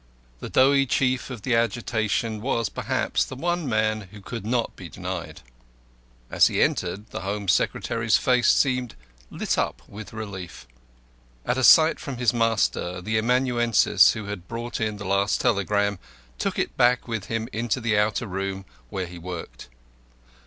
The doughty chief of the agitation was, perhaps, the one man who could not be denied. As he entered, the Home Secretary's face seemed lit up with relief. At a sign from his master, the amanuensis who had brought in the last telegram took it back with him into the outer room where he worked.